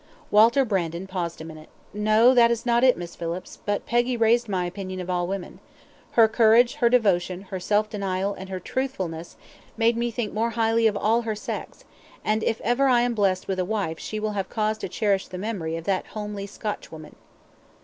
Walter Brandon paused a minute. "No, it is not that, Miss Phillips; but Peggy raised my opinion of all women. Her courage, her devotion, her self denial, and her truthfulness made me think more highly of all her sex; and if ever I am blessed with a wife she will have cause to cherish the memory of that homely Scotchwoman."